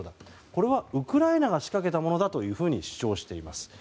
これはウクライナが仕掛けたものだと主張しています。